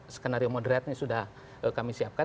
skenario moderatnya sudah kami siapkan